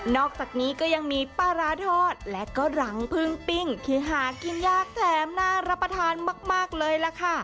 อกจากนี้ก็ยังมีปลาร้าทอดและก็รังพึ่งปิ้งที่หากินยากแถมน่ารับประทานมากเลยล่ะค่ะ